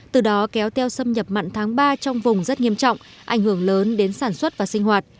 từ đó kéo theo xâm nhập mặn tháng ba trong vùng rất nghiêm trọng ảnh hưởng lớn đến sản xuất và sinh hoạt